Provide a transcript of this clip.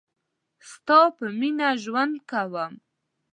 ستا په میینه ژوند کوم